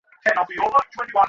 আমি তখনই মুসলমান হয়ে যাই।